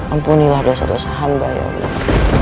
ampunilah dosa dosa hamba ya allah